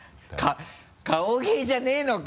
顔芸じゃねぇのか？